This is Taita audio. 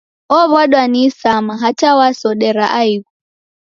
Ow'adwa ni isama hata wasodera aighu.